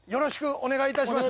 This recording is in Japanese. お願いいたします